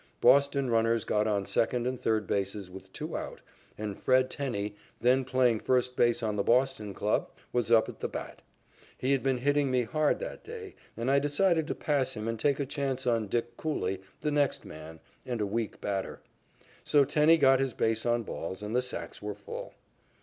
Boston runners got on second and third bases with two out, and Fred Tenney, then playing first base on the Boston club, was up at the bat. He had been hitting me hard that day, and I decided to pass him and take a chance on "Dick" Cooley, the next man, and a weak batter. So Tenney got his base on balls, and the sacks were full.